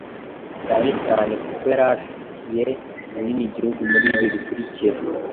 cyane cyane kuko yari ifatiye runini igihugu muri ibi bikurikira: